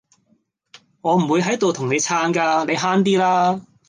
我唔會喺度同你撐㗎，你慳啲啦